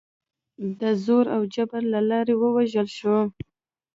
د زور او جبر له لارې ووژل شول.